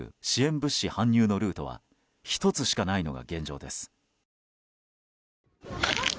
物資搬入のルートは１つしかないのが現状です。